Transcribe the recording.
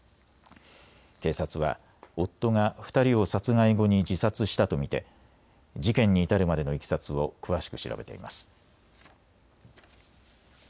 警察は夫が２人を殺害後に自殺したと見て事件に至るまでのいきさつを詳しく調べています。